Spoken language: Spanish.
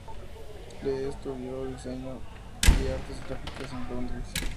Lee estudió diseño y artes gráficas en Londres.